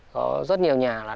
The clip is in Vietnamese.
có rất nhiều nhà là đã